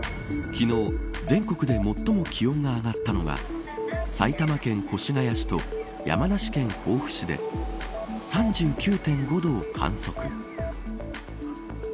昨日、全国で最も気温が上がったのが埼玉県越谷市と山梨県甲府市で３９．５度を観測。